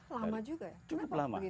lama juga ya cukup lama